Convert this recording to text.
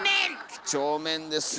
きちょうめんですよ。